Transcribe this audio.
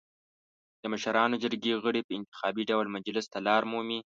د مشرانو جرګې غړي په انتخابي ډول مجلس ته لار مومي.